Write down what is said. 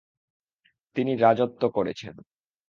তিনি রাজত্ব করেছেন।